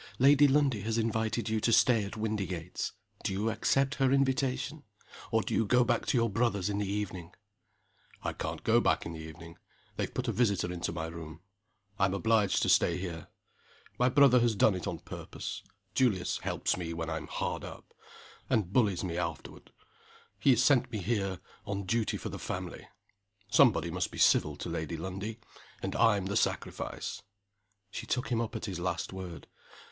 Lady Lundie has invited you to stay at Windygates. Do you accept her invitation? or do you go back to your brother's in the evening?" "I can't go back in the evening they've put a visitor into my room. I'm obliged to stay here. My brother has done it on purpose. Julius helps me when I'm hard up and bullies me afterward. He has sent me here, on duty for the family. Somebody must be civil to Lady Lundie and I'm the sacrifice." She took him up at his last word.